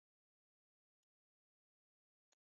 现任立委为民主进步党籍的苏巧慧。